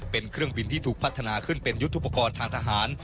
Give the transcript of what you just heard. เป็นเครื่องบินที่ถูกพัฒนาขึ้นเป็นยุทธุปกรณ์ทางทหาร